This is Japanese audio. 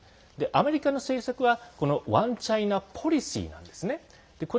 アメリカの政策はワンチャイナポリシーなんですね。